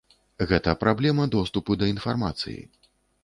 Гэта праблема доступу да інфармацыі.